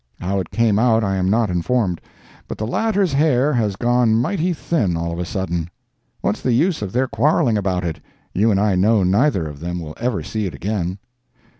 How it came out I am not informed; but the latter's hair has got mighty thin all of a sudden. (What's the use of their quarrelling about it? You and I know neither of them will ever see it again.)